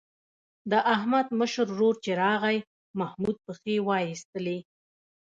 د احمد مشر ورور چې راغی محمود پښې وایستلې.